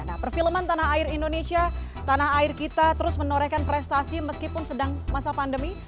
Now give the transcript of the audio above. nah perfilman tanah air indonesia tanah air kita terus menorehkan prestasi meskipun sedang masa pandemi